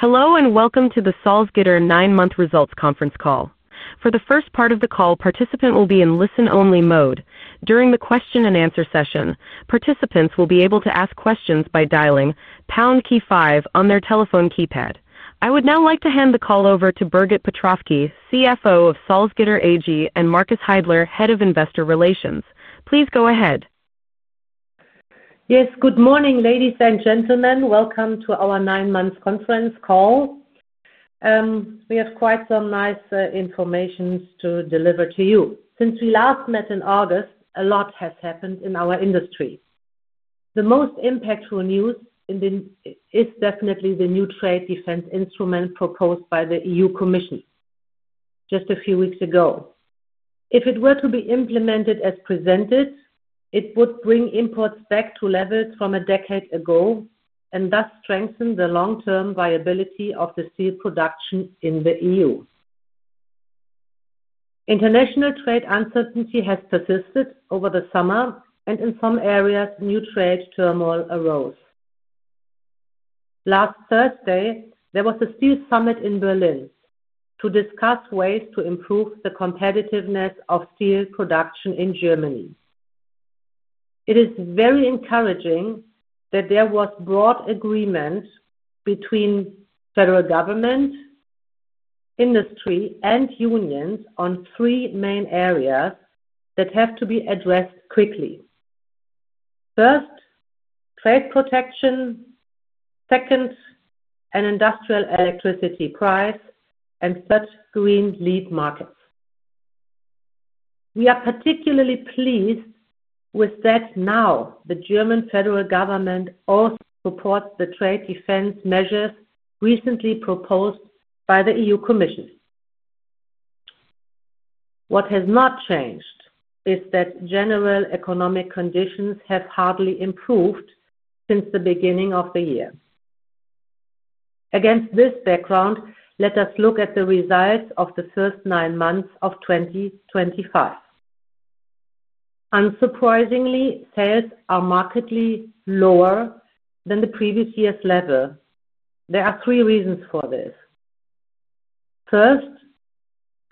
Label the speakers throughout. Speaker 1: Hello and welcome to the Salzgitter Nine Month Results Conference Call. For the first part of the call, participants will be in listen-only mode. During the question-and-answer session, participants will be able to ask questions by dialing pound key five on their telephone keypad. I would now like to hand the call over to Birgit Potrafki, CFO of Salzgitter AG, and Markus Heidler, Head of Investor Relations. Please go ahead.
Speaker 2: Yes, good morning, ladies and gentlemen. Welcome to our Nine Month Conference Call. We have quite some nice information to deliver to you. Since we last met in August, a lot has happened in our industry. The most impactful news is definitely the new trade defense instrument proposed by the EU Commission just a few weeks ago. If it were to be implemented as presented, it would bring imports back to levels from a decade ago and thus strengthen the long-term viability of the steel production in the EU. International trade uncertainty has persisted over the summer, and in some areas, new trade turmoil arose. Last Thursday, there was a steel summit in Berlin to discuss ways to improve the competitiveness of steel production in Germany. It is very encouraging that there was broad agreement between federal government, industry, and unions on three main areas that have to be addressed quickly. First, trade protection; second, an industrial electricity price; and third, green lead markets. We are particularly pleased that now the German federal government also supports the trade defense measures recently proposed by the EU Commission. What has not changed is that general economic conditions have hardly improved since the beginning of the year. Against this background, let us look at the results of the first nine months of 2025. Unsurprisingly, sales are markedly lower than the previous year's level. There are three reasons for this. First,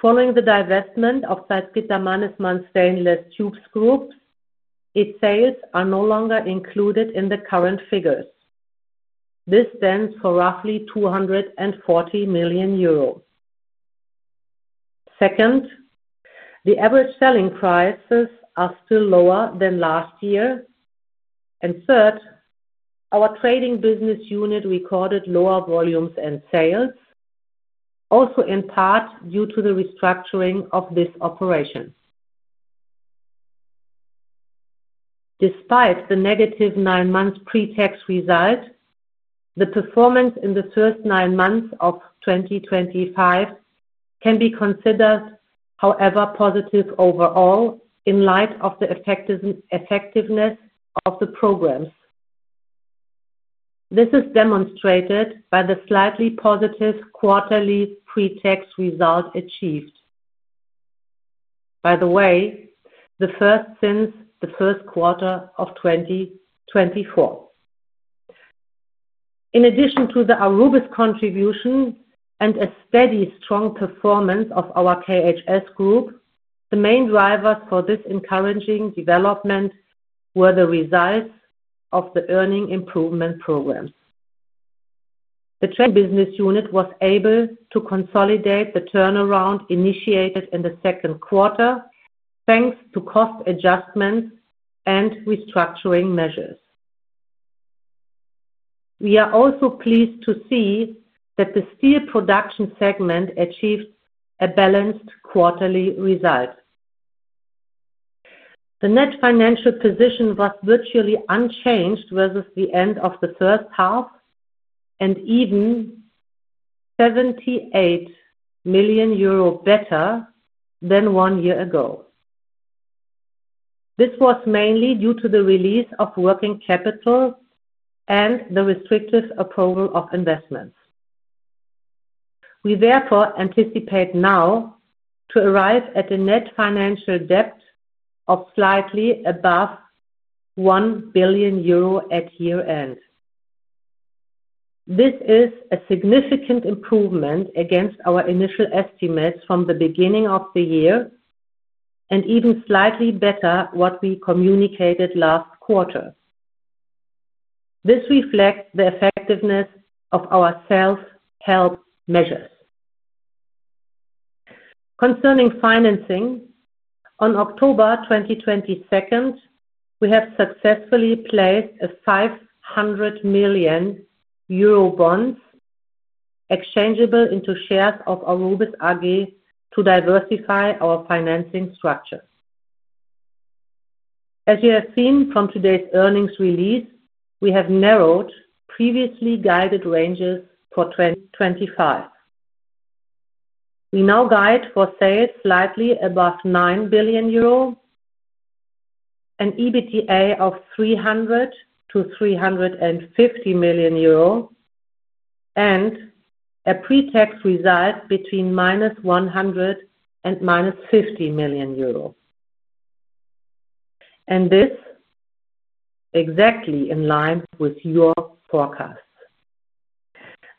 Speaker 2: following the divestment of Salzgitter Mannesmann's stainless tubes group, its sales are no longer included in the current figures. This stands for roughly 240 million euros. Second, the average selling prices are still lower than last year. Third, our trading business unit recorded lower volumes and sales, also in part due to the restructuring of this operation. Despite the negative nine-month pretax result, the performance in the first nine months of 2025 can be considered, however, positive overall in light of the effectiveness of the programs. This is demonstrated by the slightly positive quarterly pretax result achieved. By the way, the first since the first quarter of 2024. In addition to the Aurubis contribution and a steady, strong performance of our KHS Group, the main drivers for this encouraging development were the results of the earning improvement programs. The trade business unit was able to consolidate the turnaround initiated in the second quarter thanks to cost adjustments and restructuring measures. We are also pleased to see that the steel production segment achieved a balanced quarterly result. The net financial position was virtually unchanged versus the end of the first half and even 78 million euro better than one year ago. This was mainly due to the release of working capital and the restrictive approval of investments. We, therefore, anticipate now to arrive at a net financial debt of slightly above 1 billion euro at year-end. This is a significant improvement against our initial estimates from the beginning of the year and even slightly better than what we communicated last quarter. This reflects the effectiveness of our self-help measures. Concerning financing, in October 2022, we have successfully placed 500 million euro bonds exchangeable into shares of Aurubis AG to diversify our financing structure. As you have seen from today's earnings release, we have narrowed previously guided ranges for 2025. We now guide for sales slightly above 9 billion euro, an EBITDA of 300-350 million euro, and a pretax result between minus 100 million and minus 50 million euro. This is exactly in line with your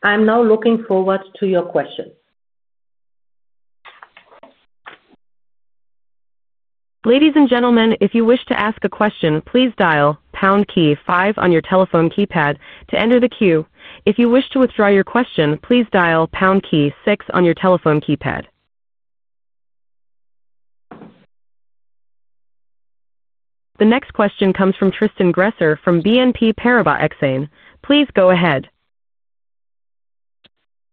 Speaker 2: forecasts. I am now looking forward to your questions.
Speaker 1: Ladies and gentlemen, if you wish to ask a question, please dial pound key five on your telephone keypad to enter the queue. If you wish to withdraw your question, please dial pound key six on your telephone keypad. The next question comes from Tristan Gresser from BNP Paribas Exane. Please go ahead.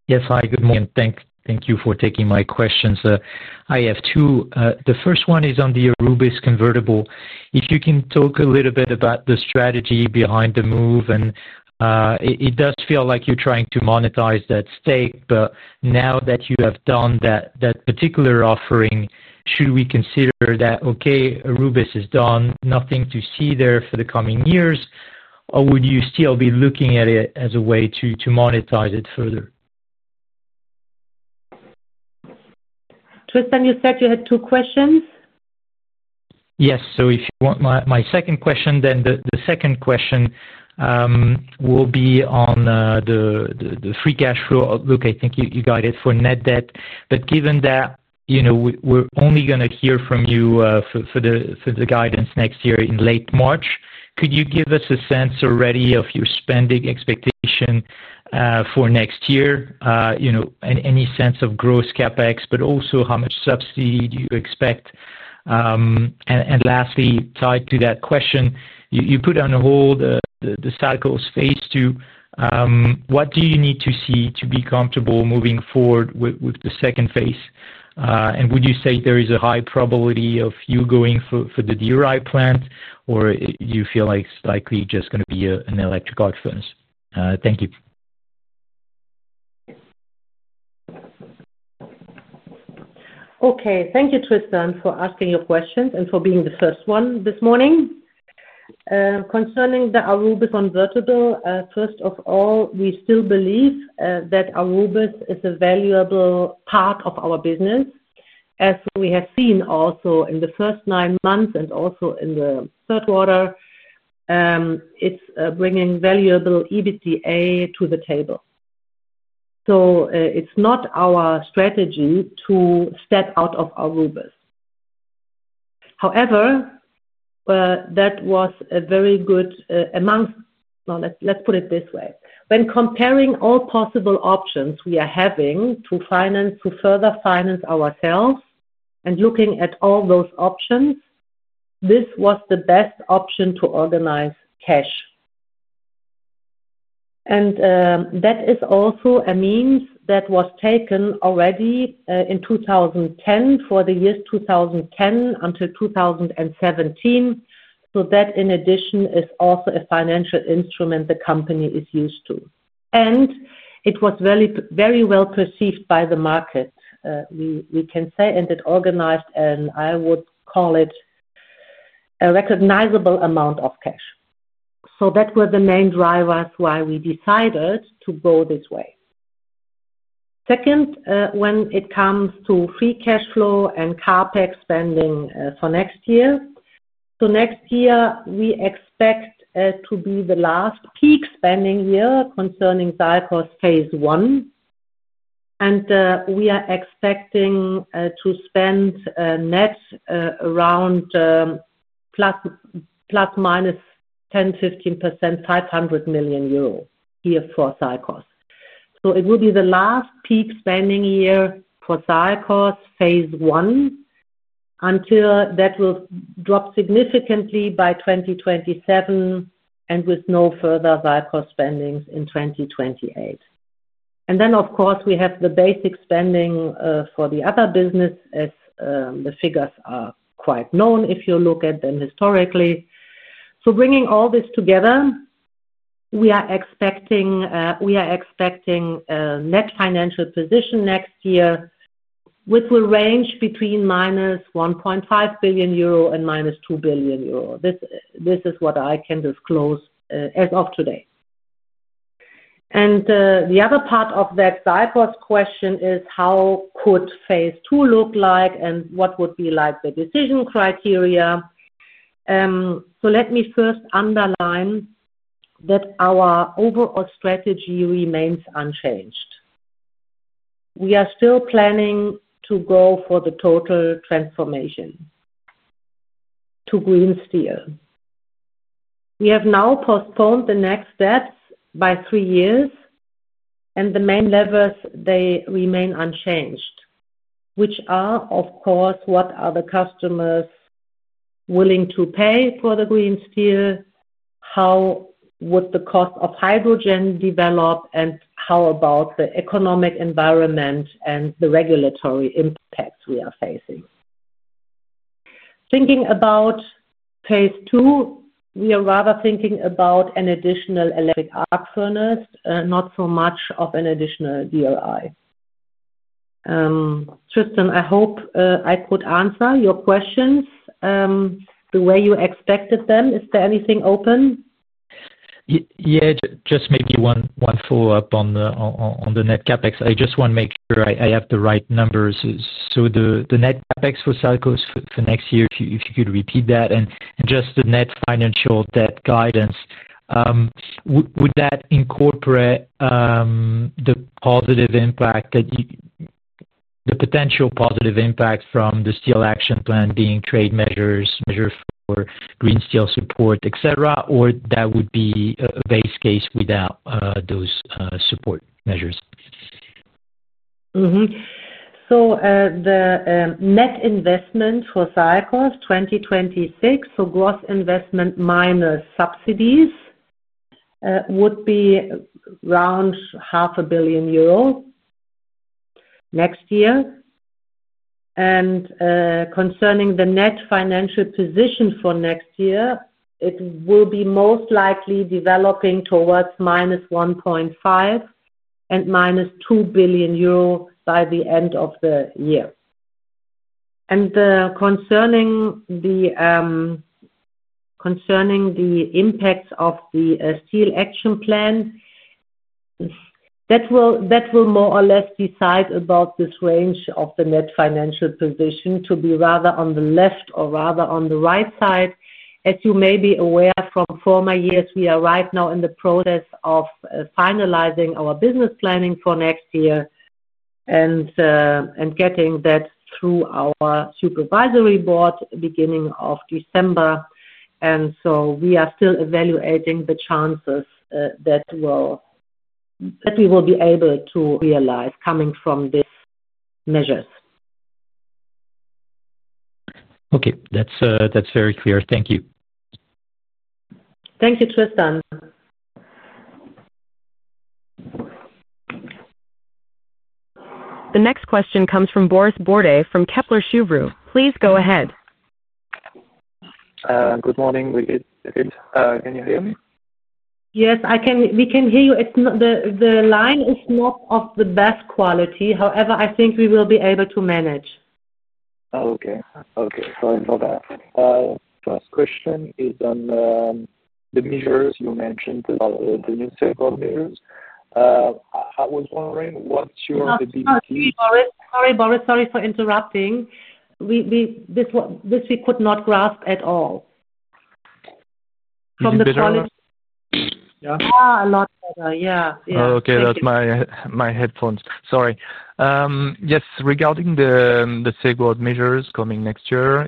Speaker 3: Yes, hi, good morning. Thank you for taking my questions. I have two. The first one is on the Aurubis convertible. If you can talk a little bit about the strategy behind the move, and it does feel like you're trying to monetize that stake, but now that you have done that particular offering, should we consider that, okay, Aurubis is done, nothing to see there for the coming years, or would you still be looking at it as a way to monetize it further?
Speaker 2: Tristan, you said you had two questions?
Speaker 3: Yes. If you want my second question, then the second question will be on the free cash flow. Look, I think you got it for net debt. Given that we're only going to hear from you for the guidance next year in late March, could you give us a sense already of your spending expectation for next year? Any sense of gross CapEx, but also how much subsidy do you expect? Lastly, tied to that question, you put on hold the SALCOS phase II. What do you need to see to be comfortable moving forward with the second phase? Would you say there is a high probability of you going for the DRI plant, or do you feel like it's likely just going to be an electric arc furnace? Thank you.
Speaker 2: Okay. Thank you, Tristan, for asking your questions and for being the first one this morning. Concerning the Aurubis convertible, first of all, we still believe that Aurubis is a valuable part of our business, as we have seen also in the first nine months and also in the third quarter. It is bringing valuable EBITDA to the table. It is not our strategy to step out of Aurubis. However, that was a very good amongst—let's put it this way. When comparing all possible options we are having to further finance ourselves and looking at all those options, this was the best option to organize cash. That is also a means that was taken already in 2010 for the years 2010 until 2017. That, in addition, is also a financial instrument the company is used to. It was very well perceived by the market, we can say, and it organized an, I would call it, a recognizable amount of cash. That were the main drivers why we decided to go this way. When it comes to free cash flow and CapEx spending for next year, next year, we expect to be the last peak spending year concerning SALCOS phase I. We are expecting to spend net around plus minus 10%-15%, 500 million euro here for SALCOS. It will be the last peak spending year for SALCOS phase I until that will drop significantly by 2027 and with no further SALCOS spendings in 2028. Of course, we have the basic spending for the other business as the figures are quite known if you look at them historically. Bringing all this together, we are expecting a net financial position next year, which will range between minus 1.5 billion euro and minus 2 billion euro. This is what I can disclose as of today. The other part of that SALCOS question is, how could phase two look like and what would be the decision criteria? Let me first underline that our overall strategy remains unchanged. We are still planning to go for the total transformation to green steel. We have now postponed the next steps by three years, and the main levers, they remain unchanged, which are, of course, what are the customers willing to pay for the green steel? How would the cost of hydrogen develop? How about the economic environment and the regulatory impacts we are facing? Thinking about phase two, we are rather thinking about an additional electric arc furnace, not so much of an additional DRI. Tristan, I hope I could answer your questions the way you expected them. Is there anything open?
Speaker 3: Yeah, just maybe one follow-up on the net CapEx. I just want to make sure I have the right numbers. So the net CapEx for SALCOS for next year, if you could repeat that. And just the net financial debt guidance, would that incorporate the potential positive impact from the Steel Action Plan being trade measures for green steel support, etc., or that would be a base case without those support measures?
Speaker 2: The net investment for SALCOS 2026, so gross investment minus subsidies, would be around 500 million euros next year. Concerning the net financial position for next year, it will most likely develop towards minus 1,500,000,000 and minus 2 billion euro by the end of the year. Concerning the impacts of the Steel Action Plan, that will more or less decide about this range of the net financial position to be rather on the left or rather on the right side. As you may be aware from former years, we are right now in the process of finalizing our business planning for next year and getting that through our Supervisory Board beginning of December. We are still evaluating the chances that we will be able to realize coming from these measures.
Speaker 3: Okay. That's very clear. Thank you.
Speaker 2: Thank you, Tristan.
Speaker 1: The next question comes from Boris Bourdet from Kepler Cheuvreux. Please go ahead.
Speaker 4: Good morning, Lucas. Can you hear me?
Speaker 2: Yes, we can hear you. The line is not of the best quality. However, I think we will be able to manage.
Speaker 4: Okay. Okay. Sorry for that. First question is on the measures you mentioned, the new safeguard measures. I was wondering what's your—.
Speaker 2: Sorry, Boris. Sorry for interrupting. This we could not grasp at all. From the quality.
Speaker 4: Yeah?
Speaker 2: Yeah, a lot better. Yeah.
Speaker 4: Okay. That's my headphones. Sorry. Yes. Regarding the safeguard measures coming next year,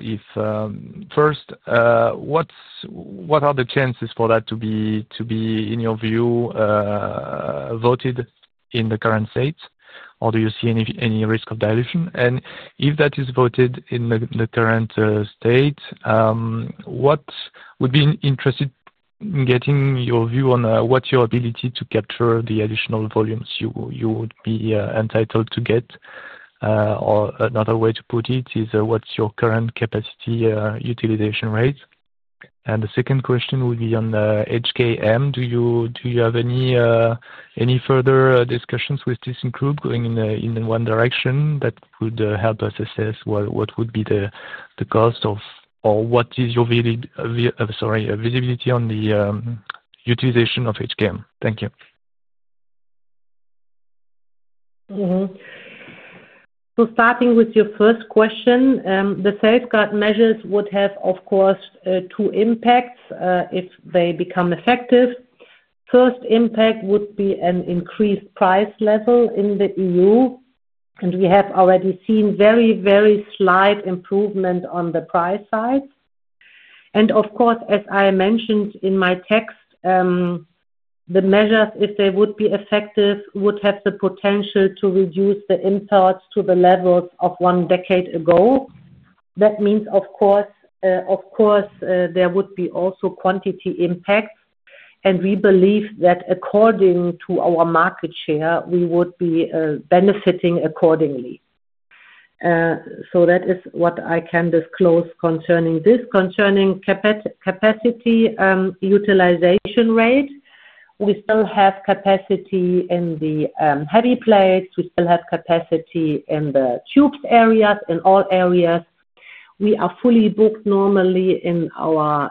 Speaker 4: first, what are the chances for that to be, in your view, voted in the current state, or do you see any risk of dilution? If that is voted in the current state, would be interested in getting your view on what's your ability to capture the additional volumes you would be entitled to get? Or another way to put it is, what's your current capacity utilization rate? The second question would be on HKM. Do you have any further discussions with this group going in one direction that would help us assess what would be the cost of—or what is your—sorry, visibility on the utilization of HKM? Thank you.
Speaker 2: Starting with your first question, the safeguard measures would have, of course, two impacts if they become effective. The first impact would be an increased price level in the EU. We have already seen very, very slight improvement on the price side. Of course, as I mentioned in my text, the measures, if they would be effective, would have the potential to reduce the imports to the levels of one decade ago. That means, of course, there would be also quantity impacts. We believe that according to our market share, we would be benefiting accordingly. That is what I can disclose concerning this. Concerning capacity utilization rate, we still have capacity in the heavy plates. We still have capacity in the tubes areas, in all areas. We are fully booked normally in our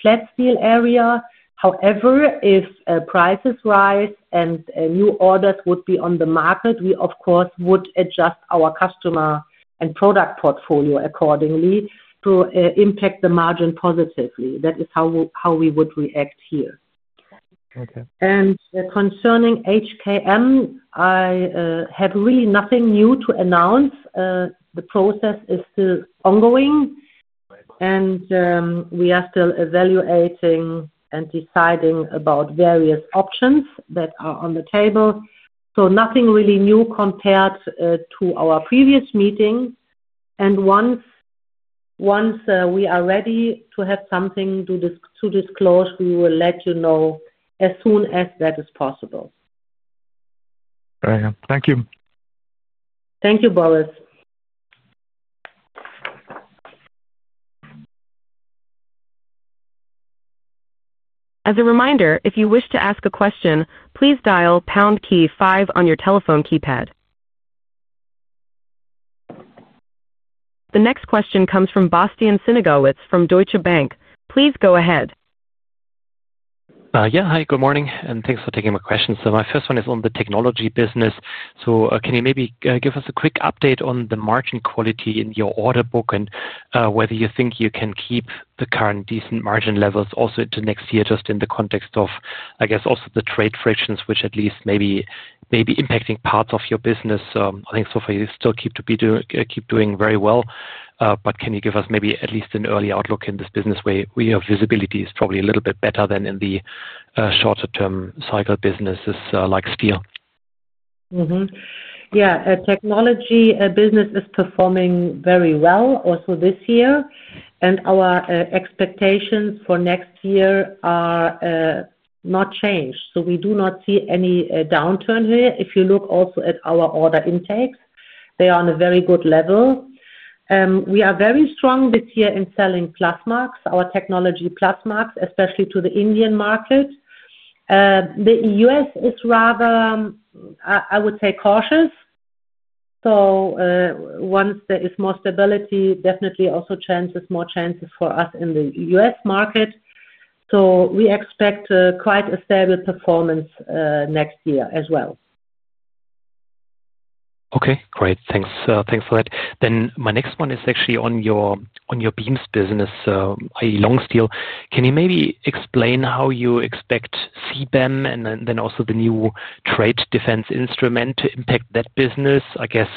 Speaker 2: flat steel area. However, if prices rise and new orders would be on the market, we, of course, would adjust our customer and product portfolio accordingly to impact the margin positively. That is how we would react here. Concerning HKM, I have really nothing new to announce. The process is still ongoing. We are still evaluating and deciding about various options that are on the table. Nothing really new compared to our previous meeting. Once we are ready to have something to disclose, we will let you know as soon as that is possible.
Speaker 4: Thank you.
Speaker 2: Thank you, Boris.
Speaker 1: As a reminder, if you wish to ask a question, please dial pound key five on your telephone keypad. The next question comes from Bastian Synagowitz from Deutsche Bank. Please go ahead.
Speaker 5: Yeah. Hi, good morning. Thanks for taking my questions. My first one is on the technology business. Can you maybe give us a quick update on the margin quality in your order book and whether you think you can keep the current decent margin levels also into next year just in the context of, I guess, also the trade frictions, which at least may be impacting parts of your business? I think so far you still keep doing very well. Can you give us maybe at least an early outlook in this business where your visibility is probably a little bit better than in the shorter-term cycle businesses like steel?
Speaker 2: Yeah. Technology business is performing very well also this year. Our expectations for next year are not changed. We do not see any downturn here. If you look also at our order intakes, they are on a very good level. We are very strong this year in selling plus marks, our technology plus marks, especially to the Indian market. The U.S. is rather, I would say, cautious. Once there is more stability, definitely also more chances for us in the U.S. market. We expect quite a stable performance next year as well.
Speaker 5: Okay. Great. Thanks for that. My next one is actually on your beams business, i.e., long steel. Can you maybe explain how you expect CBAM and then also the new trade defense instrument to impact that business? I guess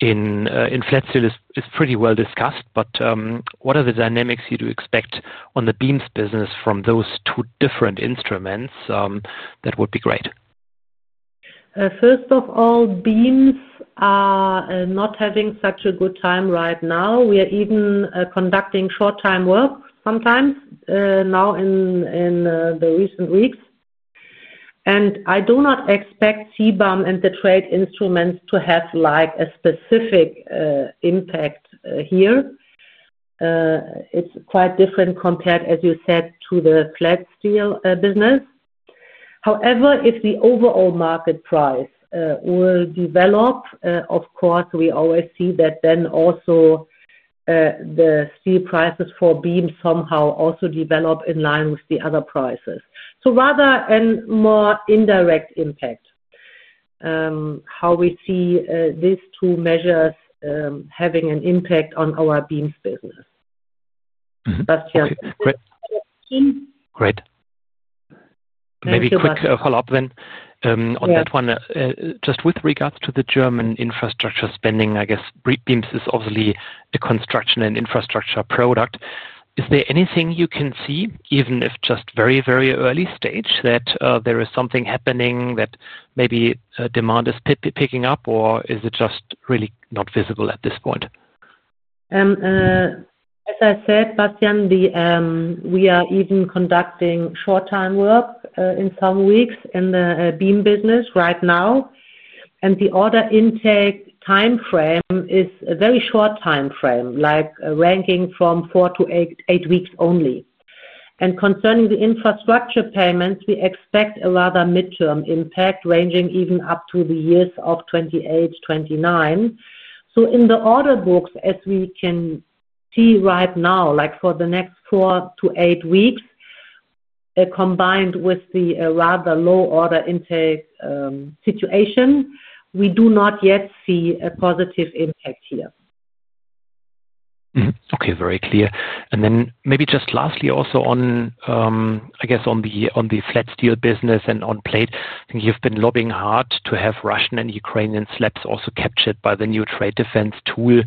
Speaker 5: in flat steel it's pretty well discussed, but what are the dynamics you do expect on the beams business from those two different instruments? That would be great.
Speaker 2: First of all, beams are not having such a good time right now. We are even conducting short-time work sometimes now in the recent weeks. I do not expect CBAM and the trade instruments to have a specific impact here. It is quite different compared, as you said, to the flat steel business. However, if the overall market price will develop, of course, we always see that then also the steel prices for beams somehow also develop in line with the other prices. Rather a more indirect impact, how we see these two measures having an impact on our beams business.
Speaker 5: Great. Maybe quick follow-up then on that one. Just with regards to the German infrastructure spending, I guess beams is obviously a construction and infrastructure product. Is there anything you can see, even if just very, very early stage, that there is something happening that maybe demand is picking up, or is it just really not visible at this point?
Speaker 2: As I said, Bastian, we are even conducting short-time work in some weeks in the beam business right now. The order intake timeframe is a very short timeframe, like ranging from four to eight weeks only. Concerning the infrastructure payments, we expect a rather midterm impact, ranging even up to the years of 2028, 2029. In the order books, as we can see right now, like for the next four to eight weeks, combined with the rather low order intake situation, we do not yet see a positive impact here.
Speaker 5: Okay. Very clear. Maybe just lastly also on, I guess, on the flat steel business and on plate, I think you've been lobbying hard to have Russian and Ukrainian slabs also captured by the new trade defense tool.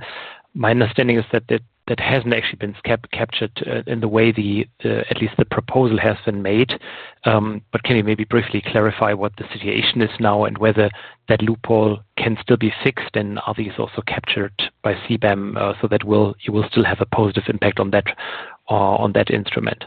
Speaker 5: My understanding is that that hasn't actually been captured in the way at least the proposal has been made. Can you maybe briefly clarify what the situation is now and whether that loophole can still be fixed and are these also captured by CBAM so that you will still have a positive impact on that instrument?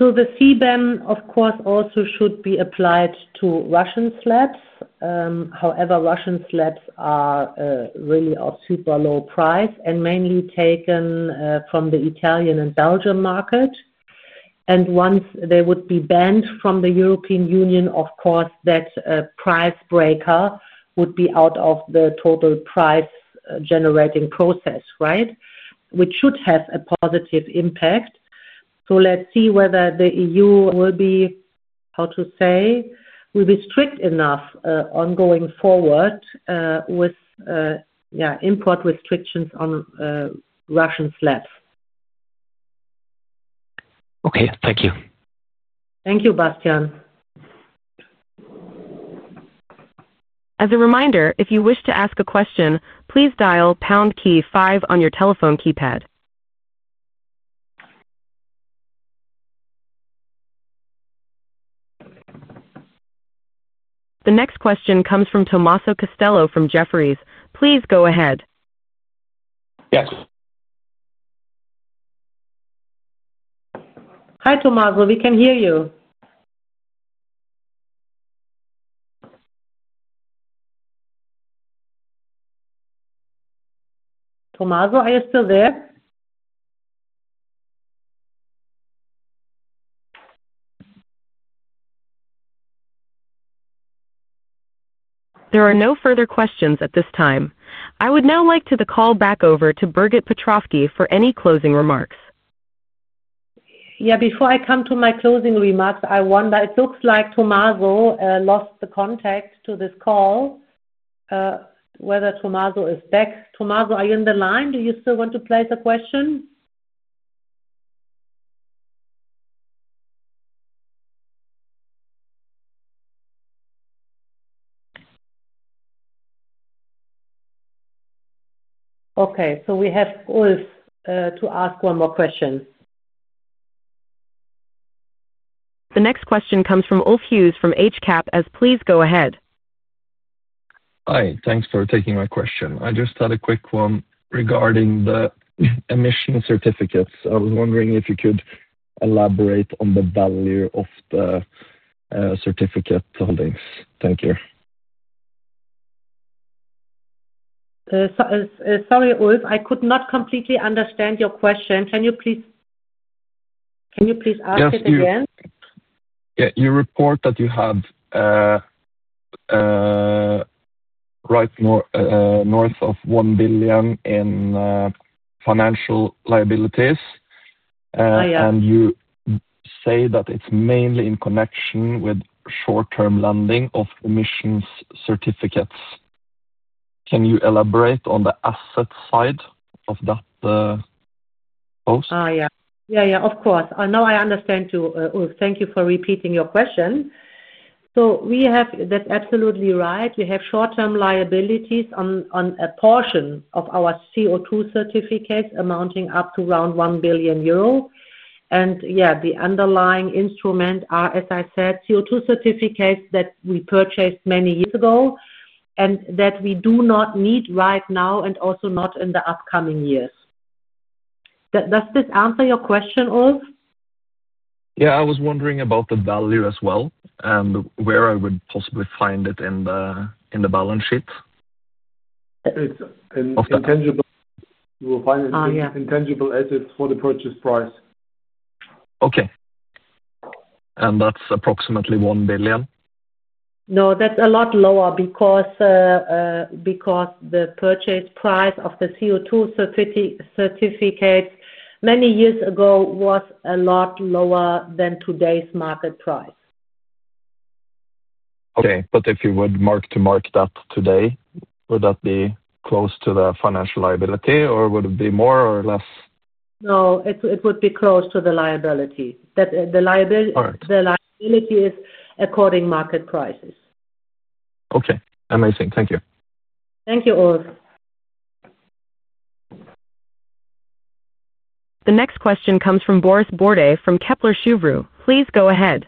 Speaker 2: The CBAM, of course, also should be applied to Russian slabs. However, Russian slabs are really of super low price and mainly taken from the Italian and Belgian market. Once they would be banned from the European Union, of course, that price breaker would be out of the total price generating process, right, which should have a positive impact. Let's see whether the EU will be, how to say, will be strict enough ongoing forward with, yeah, import restrictions on Russian slabs.
Speaker 5: Okay. Thank you.
Speaker 2: Thank you, Bastian.
Speaker 1: As a reminder, if you wish to ask a question, please dial pound key five on your telephone keypad. The next question comes from Tommaso Castello from Jefferies. Please go ahead.
Speaker 6: Yes.
Speaker 2: Hi, Tommaso. We can hear you. Tommaso, are you still there?
Speaker 1: There are no further questions at this time. I would now like to call back over to Birgit Potrafki for any closing remarks.
Speaker 2: Yeah. Before I come to my closing remarks, I wonder, it looks like Tommaso lost the contact to this call. Whether Tommaso is back. Tommaso, are you on the line? Do you still want to place a question?
Speaker 1: Okay. We have Ulf to ask one more question. The next question comes from Ulf Hughes from [HCap], please go ahead. Hi. Thanks for taking my question. I just had a quick one regarding the emission certificates. I was wondering if you could elaborate on the value of the certificate holdings. Thank you.
Speaker 2: Sorry, Ulf. I could not completely understand your question. Can you please ask it again? Yeah. You report that you have right north of 1 billion in financial liabilities. You say that it's mainly in connection with short-term lending of emissions certificates. Can you elaborate on the asset side of that post? Yeah. Yeah. Of course. Now I understand, too. Thank you for repeating your question. That's absolutely right. We have short-term liabilities on a portion of our CO2 certificates amounting up to around 1 billion euro. Yeah, the underlying instrument are, as I said, CO2 certificates that we purchased many years ago and that we do not need right now and also not in the upcoming years. Does this answer your question, Ulf? Yeah. I was wondering about the value as well and where I would possibly find it in the balance sheet.
Speaker 4: It's intangible. You will find it as intangible as it is for the purchase price. Okay. That's approximately 1 billion?
Speaker 2: No, that's a lot lower because the purchase price of the CO2 certificates many years ago was a lot lower than today's market price. Okay. If you would mark to market that today, would that be close to the financial liability, or would it be more or less? No, it would be close to the liability. The liability is according to market prices. Okay. Amazing. Thank you. Thank you, Ulf.
Speaker 1: The next question comes from Boris Bourdet from Kepler Cheuvreux. Please go ahead.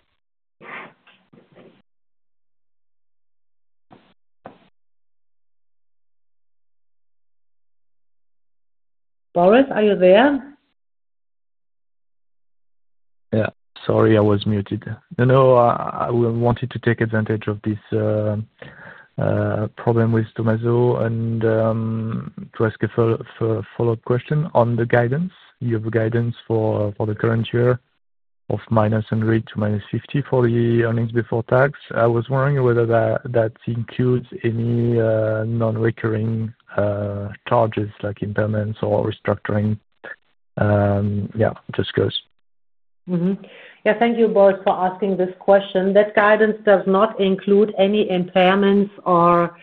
Speaker 2: Boris, are you there?
Speaker 4: Yeah. Sorry, I was muted. I wanted to take advantage of this problem with Tommaso and to ask a follow-up question on the guidance. You have guidance for the current year of minus 100 million to minus 50 million for the earnings before tax. I was wondering whether that includes any non-recurring charges like impairments or restructuring. Yeah, just curious.
Speaker 2: Yeah. Thank you, Boris, for asking this question. That guidance does not include any impairments or,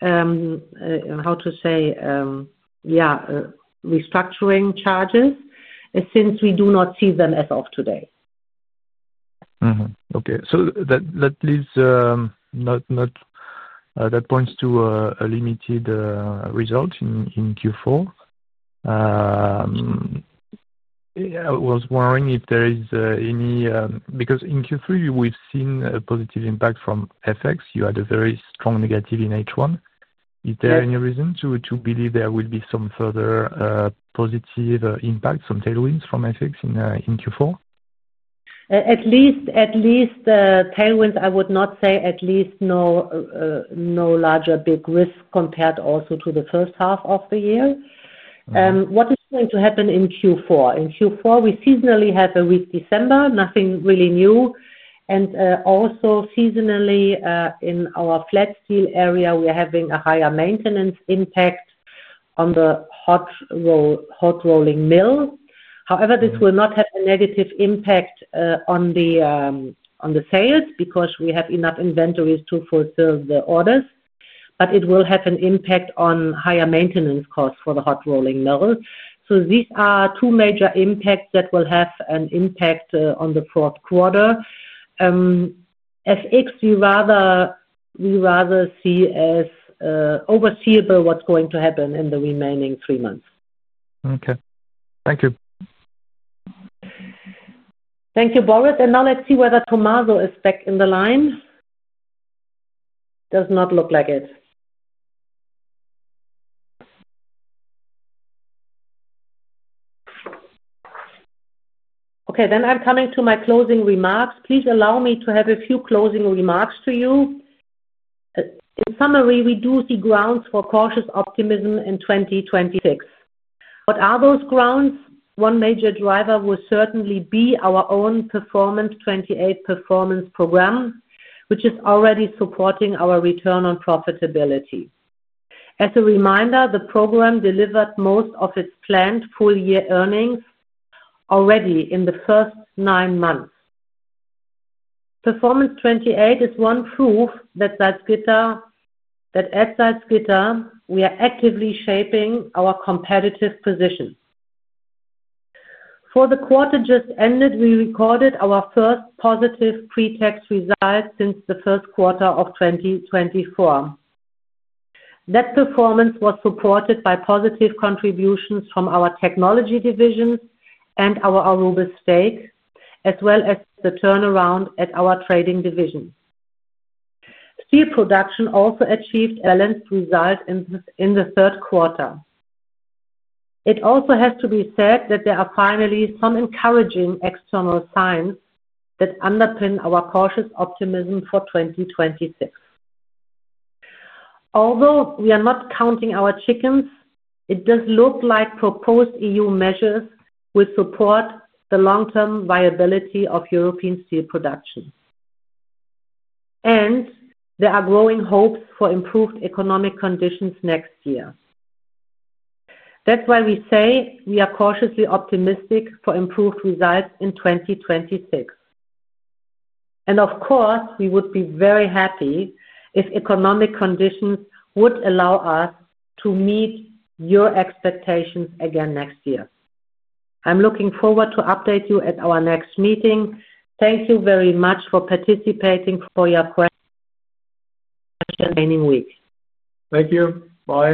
Speaker 2: how to say, yeah, restructuring charges since we do not see them as of today.
Speaker 4: Okay. That points to a limited result in Q4. I was wondering if there is any, because in Q3, we've seen a positive impact from FX. You had a very strong negative in H1. Is there any reason to believe there will be some further positive impacts, some tailwinds from FX in Q4?
Speaker 2: At least tailwinds, I would not say. At least no larger big risk compared also to the first half of the year. What is going to happen in Q4? In Q4, we seasonally have a weak December, nothing really new. Also seasonally, in our flat steel area, we are having a higher maintenance impact on the hot rolling mill. However, this will not have a negative impact on the sales because we have enough inventories to fulfill the orders. It will have an impact on higher maintenance costs for the hot rolling mill. These are two major impacts that will have an impact on the fourth quarter. FX, we rather see as overseeable what's going to happen in the remaining three months.
Speaker 4: Okay. Thank you.
Speaker 2: Thank you, Boris. Now let's see whether Tommaso is back in the line. Does not look like it. Okay. I am coming to my closing remarks. Please allow me to have a few closing remarks to you. In summary, we do see grounds for cautious optimism in 2026. What are those grounds? One major driver will certainly be our own Performance 28 Performance Program, which is already supporting our return on profitability. As a reminder, the program delivered most of its planned full-year earnings already in the first nine months. Performance 28 is one proof that at Salzgitter we are actively shaping our competitive position. For the quarter just ended, we recorded our first positive pretax result since the first quarter of 2024. That performance was supported by positive contributions from our technology divisions and our Aurubis stake, as well as the turnaround at our trading division. Steel production also achieved a balanced result in the third quarter. It also has to be said that there are finally some encouraging external signs that underpin our cautious optimism for 2026. Although we are not counting our chickens, it does look like proposed EU measures will support the long-term viability of European steel production. There are growing hopes for improved economic conditions next year. That is why we say we are cautiously optimistic for improved results in 2026. Of course, we would be very happy if economic conditions would allow us to meet your expectations again next year. I am looking forward to update you at our next meeting. Thank you very much for participating, for your questions, remaining week. Thank you. Bye.